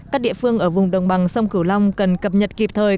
các địa phương ở vùng đồng bằng sông cửu long cần cập nhật kịp thời